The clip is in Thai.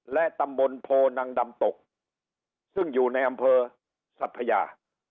และตำบลโพนังดำตกซึ่งอยู่ในอำเภอสัพยา